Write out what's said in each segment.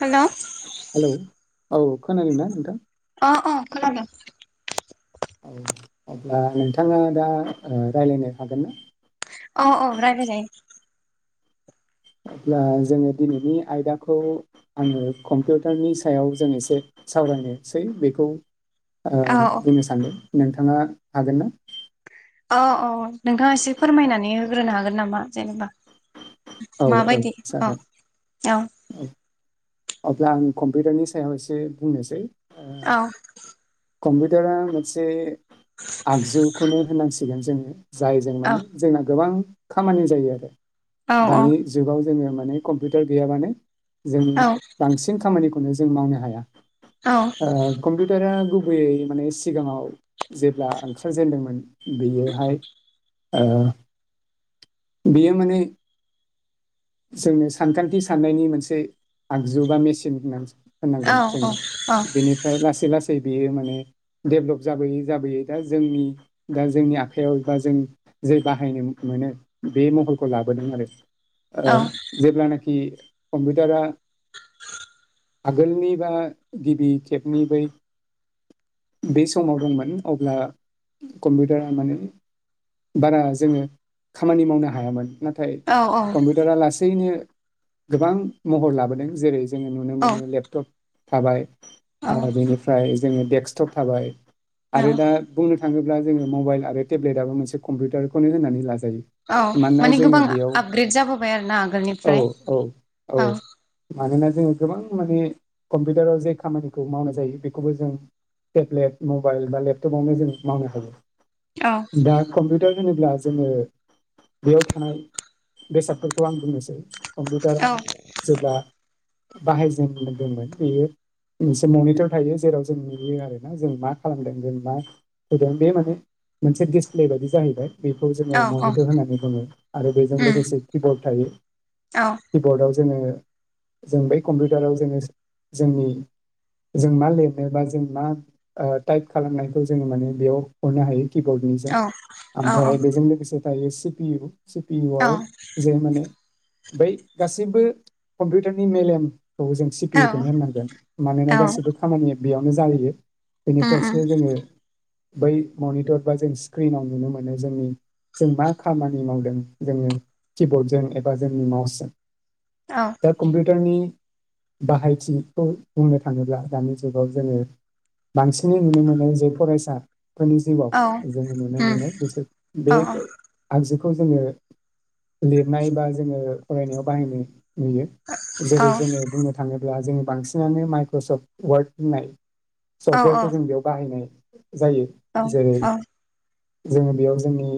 Hello. Hello औ खोनादों ना नोंथां? अ अ खोनादों। औ अब्ला नोंथाङा दा रायलायनो हागोन ना? अ अ रायलाय जायो। अब्ला जोङो दिनैनि आयदाखौ आङो कम्पिउटारनि सायाव जों एसे सावरायनोसै बेखौ औ बुंनो सानदों। नोंथाङा हागोन ना? औ औ नोंथाङा एसे फोरमायनानै होग्रोनो हागोन नामा जेनेबा? औ माबायदि औ जागोन औ। अब्ला आं कम्पिउटारनि सायाव एसे बुंनोसै। औ। कम्पपिउटरआ मोनसे आगजुखौनो होनांसि सिगोन जोङो। जायजों औ माने जोंना गोबां खामानि जायो आरो। औ औ दानि जुगाव जोङो माने कम्पिउटार गैयाबानो जों औ बांसिन खामानि खौनो जों मावनो हाया। औ ओ कम्पिउटारआ गुबैयै माने सिगाङाव जेब्ला ओंखारजेेनदोंमोन बेयोहाय ओ बेयो माने जोंनो सानखान्थि साननायनि मोनसे आगजु बा मेचिन हो होननांगोन औ जोङो बेनिफ्राय लासै ला सै बेयो माने डेभलप जाबोयै जाबोयै दा जोंनि दा जोंनि आखाइयाव एबा जों जे बाहायनो मोनो बे महरखौ लाबोदों आरो। ओ जेब्लानाखि कम्पिउटारआ आगोलनि बा गिबि खेबनि बै बे समाव दंमोन अब्ला कम्पिउटारा माने बारा जोङो खामानि मावनो हायामोन। नाथाय कम्पिउटारा लासैनो गोबां महर लाबोदों जेरै जोङो नुनो औ मोनो लेपटप थाबाय औ आरो बेनिफ्राय जोङो डेक्सटप थाबाय औ आरो दा बुंनो थाङोब्ला जोङो मबाइल आरो टेब्लेट आबो मोनसे कम्पिउटारखौनो होननानै ला औ माने गोबां आपग्रेद औ औ औ मानोना जोङो गोबां माने कम्पिउटाराव जे खामानिखौ मावनाय जायो बेखौबो जों टेब्लेट मबाइल बा लेपटपावनो जों मावनो औ हायो। दार्क कम्पिउटार मानो होनोब्ला जोङो बेयाव थानाय बेसादफोरखौ आं बुंनोसै कम्पिउटारा औ जेब्ला बाहायजेनदोंमोन बेयो मोनसे मनिटर थायो जेराव जों नुयो आरोना जों मा खालामदों जों मा होदों बे माने मोनसे दिसप्ले बायदि जाहैबाय बेखौ जोङो औ औ मनितर होननानै बुङो आरो बे जों उम लोगोसे खिबरड थायो औ खिबरडाव जोङो जों बै कम्पिउटाराव जोङो जोंनि जों मा लिरनो बा जों मा टाइप खालामनायखौ जोङो माने बेयाव हरनो हायो। किब्डनिजों औ औ ओमफ्राय बेजों लोगोसे थायो सि पि इउ पि इउवाव जे माने बै गासैबो कम्पिउटारनि मेलेम खौ जों सि पि औ इउ खौनो होननांगोन मानोना औ गासिबो खामानि बेयावनो जाहैयो। उम उम बेनिफ्रायसो जोङो बै मनिटर बा जों स्क्रिनाव नुनो मोनो जोंनि जों मा खामानि मावदों। जोङो किबर्डजों एबा जोंनि माउसजों। औ टारनि बाहायथिखौ बुंनो थाङोब्ला दानि जुगाव जोङो बांसिनै नुनो मोनो जे फरायसा फोरनि जिउआव औ जोङो नुनो उम मोनो बिसोर औ बे आगजुख खौ जोङो लिरनाय बा जोङो फरायनायाव बाहायनो नुयो जेरै औ जोङो बुंनो थाङोब्ला जोङो बांसिनानो माइक्रसफ्ट वार्ड होननाय औ औ सफ्टवेरखौ जों बेयाव बाहायनाय जायो औ जेरै जोङो बेयाव जोंनि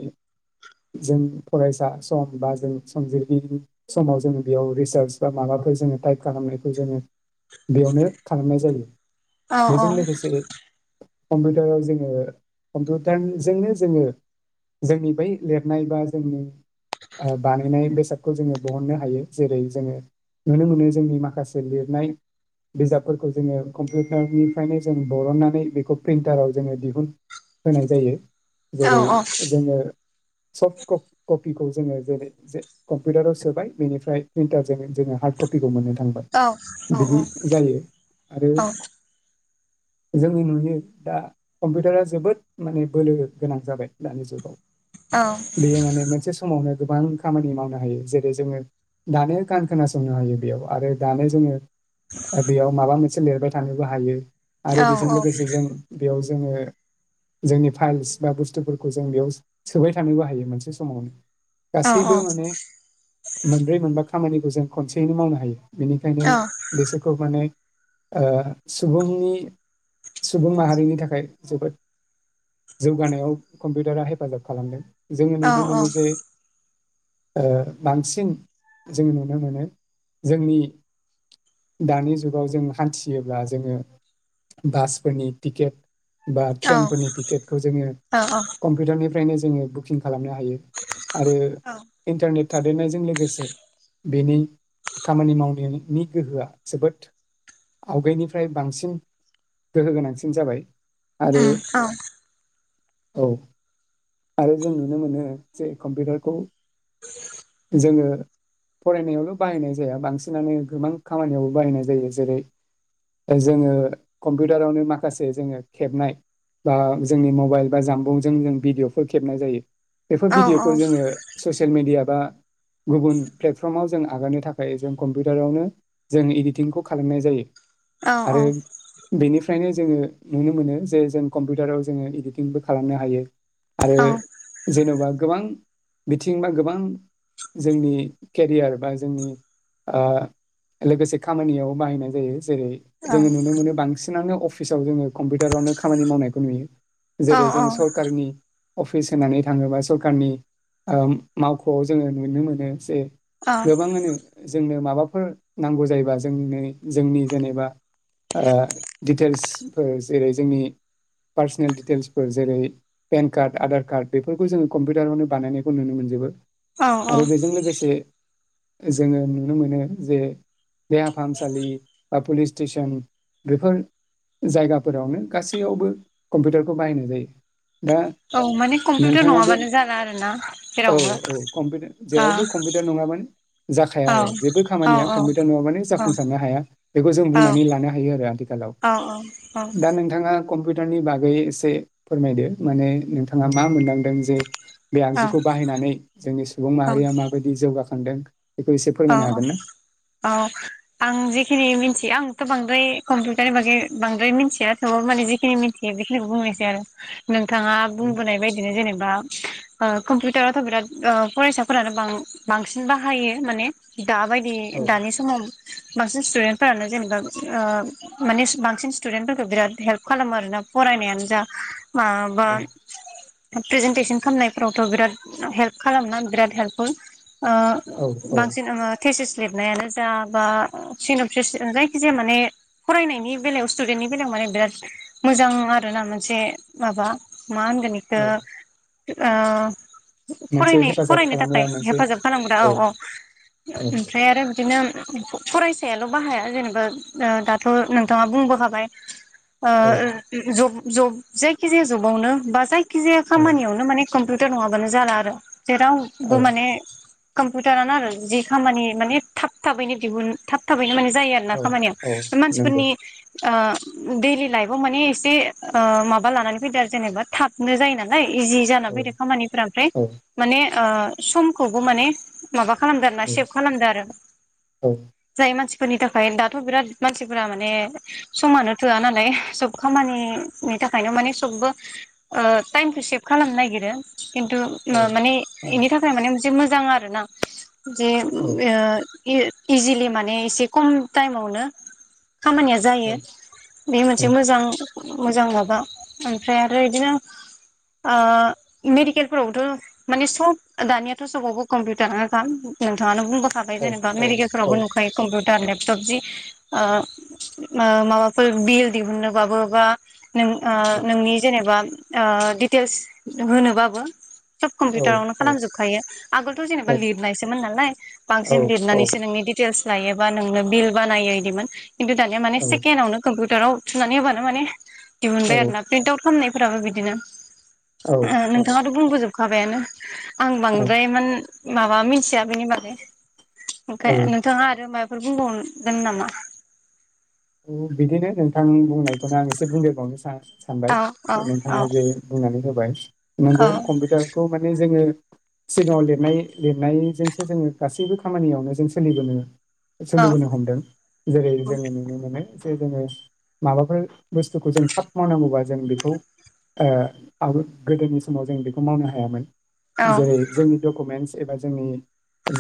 जों फरायसा सम बा जों संजिरगिरि समाव जोङो बेयाव रिसार्च बा माबाफोर जोङो टाइप खालामनायखौ जोङो बेयावनो खालामनाय जायो बेजों लोगोसे कम्पिउटाराव जोङो कम्पिउटारनिजोंनो जोङो जोंनि बै लिरनाय बा जोंनि आ बानायनाय बेसादखौ जोङो बहननो हायो जेरै जोङो नुनो मोनो जोंनि माखासे लिरनाय बिजाबफोरखौ जोङो कम्पिउटारनिफ्रायनो जों बरननानै बेखौ प्रिन्टाराव जोङो दिहुन होनाय जायो। जेरै जोङो स क कपिखौ जोङो जेरै जे कम्पिउटाराव सोबाय बेनिफ्राय प्रिन्टारजों जोङो हार्ड कपिखौ मोनो। थांबाय बिदि जायो आरो जोङो नुयो दा कम्पिउटारा जोबोद माने बोलो गोनां जाबाय। दानि जुगाव बेयो माने मोनसे समाव मावनो गोबां खामानि मावनो हायो जेरै जोङो दानो गान खोनासंनो हायो बेयाव आरो दानो जोङो बेयाव माबा मोन से लिरबाय थानोबो हायो। आरो बेजों लोगोसे जों बेयाव जोङो जोंनि फाइलस बा बुस्थुफोरखौ जों बेयाव सोबाय थानोबो हा यो मोनसे समावनो। गासैबो माने मोनब्रै मोनबा खामानिखौ जों खनसेयैनो मावनो हायो। बेनिखायनो बिसोरखौ माने ओ सुबुंनि सुबुं माहारिनि थाखाय जोबोद जौगानायाव कम्पिउटारा हेफाजाब खालामदों। जोङो नुनो मोनो जे ओ बांसिन जों नुनो मोनो जोंनि दानि जुगाव जों हान्थियोब्ला जोङो बासफोरनि टिकेट बा ट्रेनफोरनि टिकेटखौ जोङो कम्पिउटारनि फ्रायनो जोङो [unintelligible] खालाम हायो आरो इन्टारनेट थादेरनायजों लोगोसे बेनि खामानि मावनायनि गोहोआ जोबोद आवगायनिफ्राय बांसिन गोहो गोनांसिन जाबाय। आरो औ आरो जों नुनो मोनो जे कम्पिउटारखौ जोङो फरायनायावल' बाहायनाय जाया बांसिनानो गोबां खामानियाव बाहायनाय जायो। जेरै जोङो कम्पिउटारावनो माखासे जोङो खेबनाय बा जोंनि मबाइल बा जामबुंजों जों भिडिअ'फोर खेबनाय जायो। बेफोर भिडिअ'खौ जोङो ससियेल मिडिया बा गुबुन प्लेटफर्माव जों आगारनो थाखाय जों कम्पिउटारावनो जों इडिटिंखौ खालामनाय जायो। आरो बेनिफ्रायनो जोङो नुनो मोनो जे जों कम्पिउटाराव जोङो इदिटिंबो खालामनो हायो। आरो जेन'बा गोबां बिथिं बा गोबां जोंनि केरियार बा जोंनि ओ लोगोसे खामानियाव बाहायनाय जायो। जेरै जोङो नुनो मोनो बांसिन बिसिनांनो अफिसाव जोङो कम्पिउटारावनो खामानि मावनायखौ नुयो। जेरै जों सरकारनि अफिस होनानै थाङोबा सरखारनि ओम मावख'आव जोङो नुनो मोनो जे गोबाङानो जोंनो माबाफोर नांगौ जायोबा जोंनिनै जोंनि जेनेबा ओ दिटेल्सफोर जेरै जोंनि पार्सनेल डटेल्सफोर जेरै पेन कार्ड आधार कार्ड बेफोरखौ जोङो कमपिउटारावनो बानायनायखौ नुनो मोनजोबो। आरो बेजों लोगोसे जोङो नुनो मोनो जे देहा फामसालि बा पुलिस स्टेसन बेफोर जायगाफोरावनो गासैयावबो कम्पिउटारखौ बाहायनाय जायो दा माने कम्पिउटार नोंथाङाबो नङाबानो जाला आरोना औ जेरावबो औ कम्पिउटार औ जेरावबो कम्पिउटार नङाबानो जाखाया आरो जेबो औ खामानिया कम्पिउटार नङाबानो जाफुंसारनो हाया बेखौ जों औ बुंनानै लानो हायो आरो आथिखालाव औ दा नोंथाङा कम्पिउटारनि बागै एसे फोरमायदो माने नोंथाङा मा मोनदांदों जे बे आगजुखौ बाहायनानै जोंनि सुबुं माहारिया माबायदि जौगाखां मोनदों। औ आं जेखिनि मिथि आंथ' बांद्राय कम्पिउटारनि बागै बांद्राय मिथिया थेवब्लाबो माने जिखिनि मिन्थियो बेखिनिखौ बुंनोसै आरो नोंथाङा औ बुंबोनाय बायदिनो जेनेबा ओ कम्पिउटारावथ' बिराद ओ फरायसाफोरानो बां-बांसिन बाहायो माने दाबायदि औ दानि समाव बांसिन स्थुदेन्टफोरानो जेनेबा ओ माने बांसिन स्टुदेन्ट फोरखौ बिराद हेल्प खालामो आरोना फरायनायानो जा माबा औ प्रेजेेनटेसन खालामनायफोरावथ' बिराद हेल्प खालामना बिराद हेल्पफुल। ओ औ औ बां जोङो टेसिस्ट लिरनायानो बा जायखिजाया माने फरायनायनि बेलायाव स्टुदेन्टनि बेलायाव माने बिराद मोजां आरोना मोनसे माबा मा होनगोन इखो। औ आ मोनसे फरायनाइ हेफाजाब फरायनो थाखाय खालामग्रा मोनसे हेफाजाब खालामग्रा औ औ। औ ओमफ्राय आरो। बिदिनो फरायसायाल बाहाया जेनेबा दाथ नोंथाङा बुंबोखाबाय। ओ औ ज जायखिजाया जबावनो बा जाय खि औ जायामानियावनो माने। कम्पिउटार नङाबानो जाला आरो। औ जेरावबो माने। कमपिउटार आनो जि खामानि माने थाब थाबैनो दिहुन थाब थाब बैदि माने जायो आरो ना औ खामानिया औ नंगौ मानसिफोरनि ओ दैलि लाइफआव मानि एसे माबा लानानै फैदो आरो जेनेबा थाबनो जायो नालाय। इजि जाना औ फैदो खामानिफोरा ओमफ्राय औ माने। आं समखौबो माने। माबा खालामगारना सेब थार औ जाय मानसिफोरनि थाखाय दाथ' बिराद मानसिफोरा माने समानो थोआ नालाय सब खामानिनि थाखायनो माने सबबो टाइमखौ सेभ खालामनो नागिरो। खिन्थु औ ओ माने औ एनि थाखाय माने मोजां आरो ना जे औ ओ इजिलि माने एसे खम टाइमावनो खामानिया जायो औ बे मोनसे मोजां मोजां माबा ओमफ्राय आरो इदिनो मेडिकेलफोरावथ' माने सब दानियाथ' सबावबो कम्पिउटारानोखा दानि बुंबोखाबाय जेनबा औ औ मेडिकेलफोरावबो नुखायो कम्पिउटार दा लेपट'प जि ओ माबाफोर बिल दिहुनोबाबो बा नों, नोंनि जेनेबा ओ डिटेल्स होनोबाबो सब कम्पिउटारावनो खालामजोबखायो, आगोलथ जेनेबा लिरनायसोमोन नालाय। बांसिन औ लिरनानैसो नोंनि दिथे लस लायोबा नोंनो बिल बानायो इदिमोन खिनथु दानिया मानि सेखेण्डावनो कम्पुटार राव थुनानै होबानो माने दिहुनबाय आरोना प्रिन्ट आउट खालामनाय फोराबो बिदिनो औ ओम नोंथाङाथ' बुंबोजोब खाबायानो आं बांद्रायमोन माबा मिथिया बेनि औ ओमफ्रायाय नोंथाङा आरो माबा फोर बुंबावगोन नामा? बिदिनो नोंथां बुंनायखौनो आं एसे बुंदेरबावनो सा सानबाय, औ औ औ नोंथाङा जे बुंनानै होबाय नंगौ कम्पिउटारखौ माने जोङो सिगाङाव लिरनाय लिरनायजोंसो जोङो गासैबो खामानियावनो जों सोलिबोनो औ सोलिबोनो हमदों जेरै जोङो जे जोङो माबाफोर बुस्थुखौ जों थाब मावनांगौबा जों बेखौ ओ आवगाय गोदोनि समाव जों बेखौ मावनो हायामोन। औ जेरै औ जोंनि डकुमेन्टस, एबा जोंनि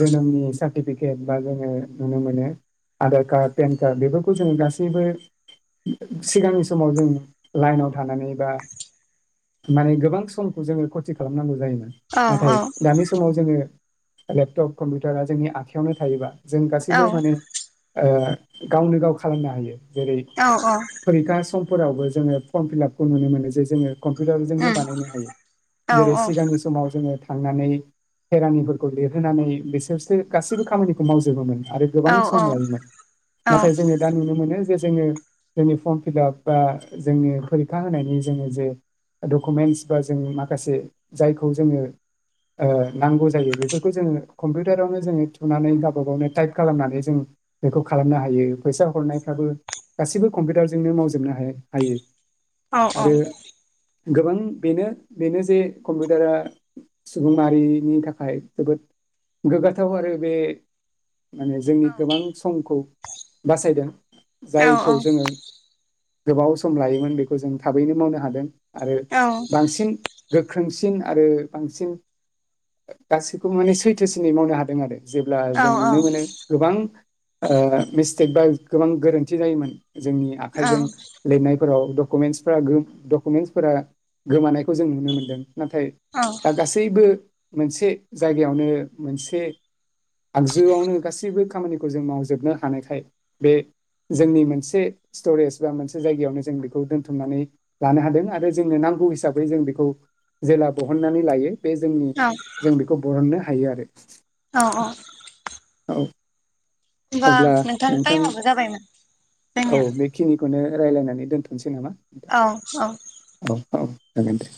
जोनोमनि सार्टिफिकेट बा जोङो नुनो मोनो आधार औ उम औ कारड, पेन कारड बेबो खौ जोङो गासैबो सिगांनि समाव जों लाइनाव थानानै बा माने गोबां समखौ जोङो खथि खालामनांगौ जायो। औ नाथाय दानि समाव जोङो लेपटप कम्पिउटारा जोंनि आखयावनो थायोबा जों गासैबो माने ओ गावनो गावखौ खालामनो हायो। जेरै औ फरिखा सम फोरावबो जोङो फर्म फिलाप खौ नुनो मोनो जे जोङो कम्पिउटारजोंनो बानायनो हायो जेरै सिगांनि समाव जोङो थांनानै खेरानिफोरखौ लिरहोनानै बिसोरसो गासैबो खामानिखौ मावजोबोमोन। आरो गोबां सम लायोमोन औ नाथाय जोङो मोनो जे जोङो जोंनि फर्म फिलाप बा जोंनि फरिखा होनायनि जोङो जे डकुमेन्टस बा जों माखासे जायखौ जोङो नांगौ जायो बेफोरखौ जोङो कम्पिउटारावनो जोङो थुनानै गावबा गावनो टाइप खालामनानै जों बेखौ खालामनो हायो। फैसा हरनायफ्राबो गासिबो कम्पिउटारजोंनो मावजोबनो हायो। औ आरो औ गोबां बेनो बेनो जे कम्पिउटारा सुबुंमाहारिरिनि थाखाय जोबोद गोगाथाव आरो बे माने जोंनि गोबां समखौ बासायदों जायखौ जोङो गोबाव सम लायोमोन बेखौ जों थाबैनो मावनो हादों। आरो बांसिन गोख्रोंसिन आरो बांसिन गासैखौबो माने सैथोसिनै मावनो हादों आरो। जेब्ला जों नुनो मोनो गोबां ओ मिस स्टेबा गोबां गोरोन्थि जायोमोन। जोंनि आखाइजों लिरनाय फोराव डक'मेनटशफोरा गो डक'मेनटशफोरा गोमानाय खौ जों नुनो मोन्दों नाथाय दा गासैबो मोनसे जायगायावनो मोनसे आगजुआवनो गासैबो खामानिखौ जों मावजोबनो हानायखाय बे जोंनि मोनसे स्टरेज बा मोनसे जायगायावनो जों बेखौ दोनथुमनानै लानो हादों आरो जोंनो नांगौ हिसाबै जों बेखौ जेला बहननानै लायो। बे जोंनि जों बेखौ बरननो हायो आरो। औ औ औ होमबा नोंथां थां टाइमाबो जाबायमोन औ जोंनिया बेखिनि खौनो रायलायनानै दोनथ'नोसै नामा? नोंथां औ औ औ औ जागोन दे।